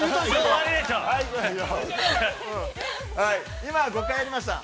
◆今、５回やりました。